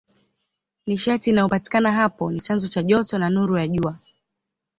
Nishati inayopatikana hapo ni chanzo cha joto na nuru ya Jua.